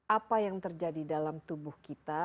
apa yang terjadi dalam tubuh kita